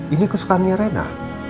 ini kesukaannya rena